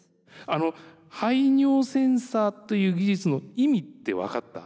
あの排尿センサーという技術の意味って分かった？